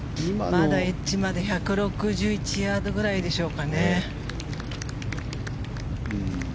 まだエッジまで１６１ヤードぐらいでしょうか。